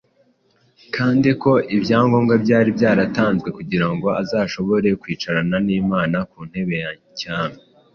kandi ko ibyangombwa byari byaratanzwe kugira ngo azashobore kwicarana n’Imana ku ntebe ya cyami.